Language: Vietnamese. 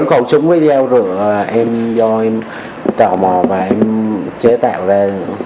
bốn cầu súng với dao rửa là em do em tào mò và em chế tạo ra